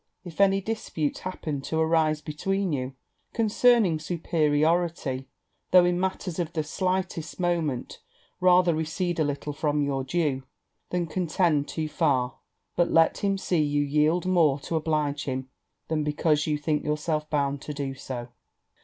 If any dispute happen to arise between you concerning superiority, though in matters of the slightest moment, rather recede a little from your due than contend too far; but let him see you yield more to oblige him than because you think yourself bound to do so.